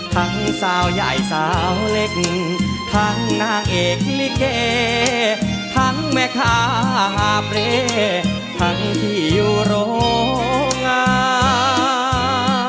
ทั้งสาวใหญ่สาวเล็กทั้งนางเอกลิเกทั้งแม่ค้าหาเปรย์ทั้งที่อยู่โรงงาน